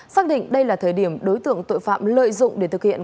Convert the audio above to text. xác định đây là thời điểm đối tượng tội phạm lợi dụng để thực hiện